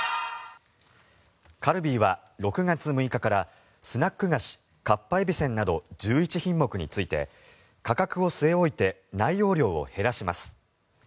カルビーは６月６日からスナック菓子かっぱえびせんなど１１品目について価格を据え置いて内容量を減らします。